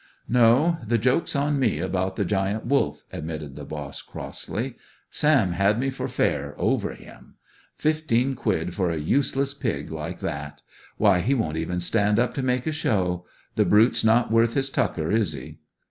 "No, the joke's on me about the Giant Wolf," admitted the boss, crossly. "Sam had me for fair, over him. Fifteen quid for a useless pig like that! Why, he won't even stand up to make a show. The brute's not worth his tucker, is he?"